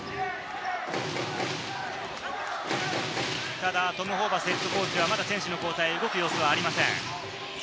ただトム・ホーバスＨＣはまだ選手の交代、動く様子はありません。